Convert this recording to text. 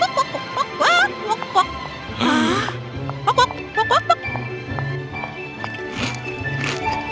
raja dan penguasa kerajaan yang mengenai sarang tidak bisa bertahan lebih lama